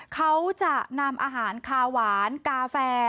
เขาจะนำอาหารคาหวานกาแฟ